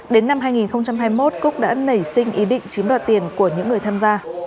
đến năm hai nghìn hai mươi một cúc đã nảy sinh ý định chiếm đoạt tiền của những người tham gia